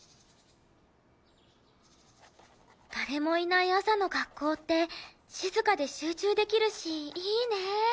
誰もいない朝の学校って静かで集中できるしいいねえ。